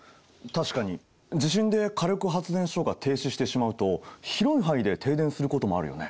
確かに地震で火力発電所が停止してしまうと広い範囲で停電することもあるよね。